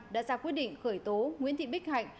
đã ra quyết định khởi tố nguyễn thị bích hạnh